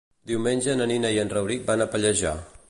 Diumenge na Nina i en Rauric van a Pallejà.